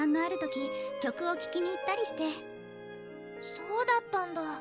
そうだったんだ。